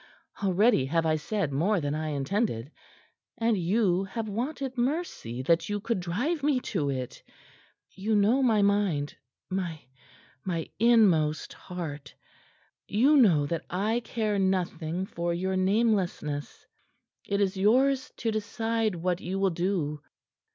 Already have I said more than I intended. And you have wanted mercy that you could drive me to it. You know my mind my my inmost heart. You know that I care nothing for your namelessness. It is yours to decide what you will do.